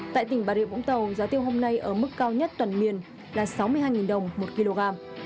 tại tỉnh bà rịa vũng tàu giá tiêu hôm nay ở mức cao nhất toàn miền là sáu mươi hai đồng một kg